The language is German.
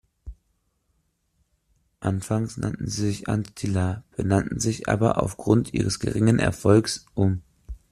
Anfangs nannten sie sich "Anttila", benannten sich aber aufgrund ihres geringen Erfolgs um.